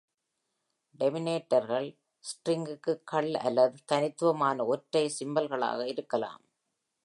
டெர்மினேட்டர்கள் ஸ்ட்ரிங்கு-கள் அல்லது தனித்துவமான ஒற்றை சிம்பல்-களாக இருக்கலாம்.